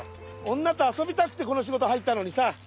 女と遊びたくてこの仕事入ったのにさ。